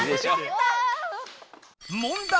問題！